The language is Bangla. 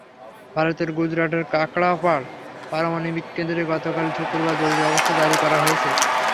ভারতের গুজরাটের কাকরাপাড় পারমাণবিক কেন্দ্রে গতকাল শুক্রবার জরুরি অবস্থা জারি করা হয়েছে।